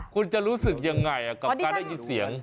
คุณจะรู้สึกยังไงกับการได้ยินเสียง